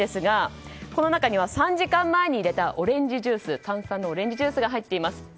この中には３時間前に入れた炭酸のオレンジジュースが入っています。